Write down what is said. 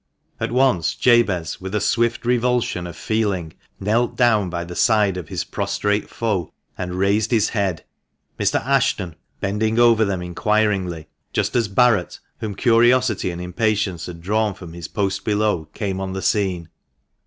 At once Jabez, with a swift revulsion of feeling, knelt down by the side of his prostrate foe, and raised his head, Mr. Ashton bending over them inquiringly, just as Barret, whom curiosity and impatience had drawn from his post below, came on the scene.